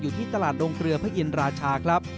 ที่ตลาดโรงเกลือพระอินราชาครับ